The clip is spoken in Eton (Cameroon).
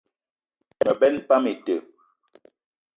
Me benn pam ite.